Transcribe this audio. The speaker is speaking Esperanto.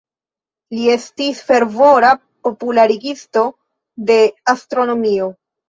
Li estis fervora popularigisto de astronomio.